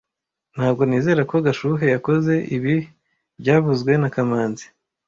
Ntabwo nizera ko Gashuhe yakoze ibi byavuzwe na kamanzi